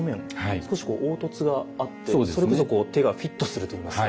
少しこう凹凸があってそれこそこう手がフィットするといいますか。